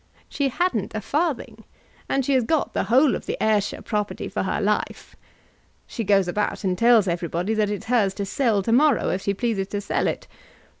She hadn't a farthing, and she has got the whole of the Ayrshire property for her life. She goes about and tells everybody that it's hers to sell to morrow if she pleases to sell it!